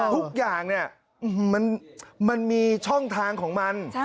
ทุกอย่างเนี่ยมันมีช่องทางของมัน